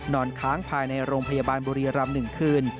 นอนค้างภายในโรงพยาบาลบุรีรัมน์หนึ่งคืน